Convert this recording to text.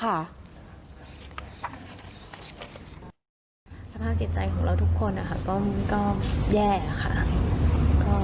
สภาพจิตใจของเราทุกคนก็แย่ค่ะ